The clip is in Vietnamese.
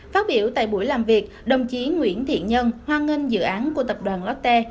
phát biểu tại buổi làm việc đồng chí nguyễn thiện nhân hoan nghênh dự án của tập đoàn lotte